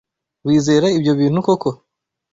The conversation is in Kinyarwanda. Wizera ibyo bintu koko?